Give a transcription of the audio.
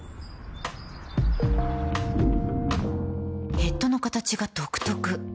ヘッドの形が独特